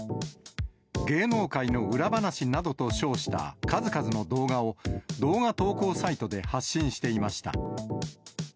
芸能界の裏話などと称した数々の動画を、動画投稿サイトで発信していました。